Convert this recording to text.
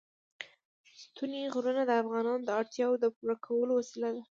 ستوني غرونه د افغانانو د اړتیاوو د پوره کولو وسیله ده.